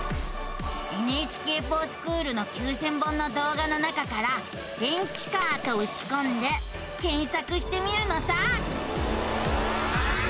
「ＮＨＫｆｏｒＳｃｈｏｏｌ」の９，０００本の動画の中から「電池カー」とうちこんで検索してみるのさ。